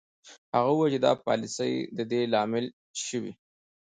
هغه وویل چې دا پالیسۍ د دې لامل شوې